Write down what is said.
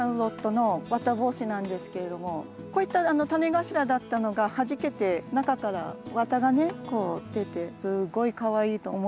’の綿帽子なんですけれどもこういった種頭だったのがはじけて中から綿がねこう出てすっごいかわいいと思います。